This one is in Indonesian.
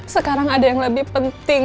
sekarang ada yang lebih penting